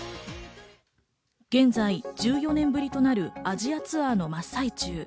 現在、１４年ぶりとなるアジアツアーの真っ最中。